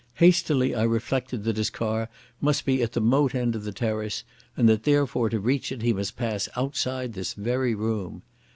Hastily I reflected that his car must be at the moat end of the terrace, and that therefore to reach it he must pass outside this very room.